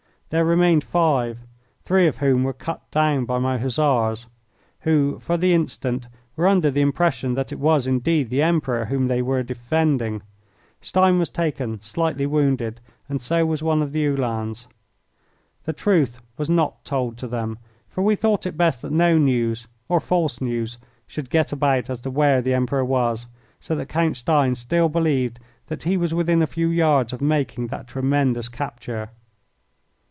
There remained five, three of whom were cut down by my Hussars, who, for the instant, were under the impression that it was indeed the Emperor whom they were defending. Stein was taken, slightly wounded, and so was one of the Uhlans. The truth was not told to them, for we thought it best that no news, or false news, should get about as to where the Emperor was, so that Count Stein still believed that he was within a few yards of making that tremendous capture.